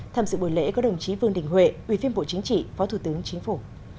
tham dự buổi lễ có đồng chí vương đình huệ ubnd phó thủ tướng chính phủ